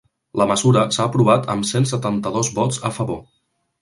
La mesura s’ha aprovat amb cent setanta-dos vots a favor.